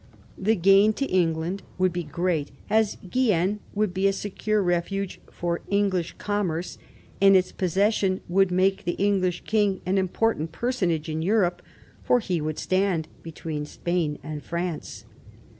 The gain to England would be great, as Guienne would be a secure refuge for English commerce, and its possession would make the English king an important personage in Europe, for he would stand between Spain and France.